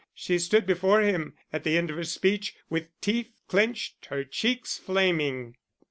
She stood before him, at the end of her speech, with teeth clenched, her cheeks flaming.